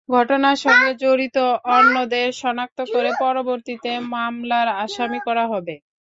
ঘটনার সঙ্গে জড়িত অন্যদের শনাক্ত করে পরবর্তীতে মামলার আসামি করা হবে।